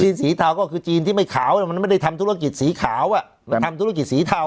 สีเทาก็คือจีนที่ไม่ขาวมันไม่ได้ทำธุรกิจสีขาวมันทำธุรกิจสีเทา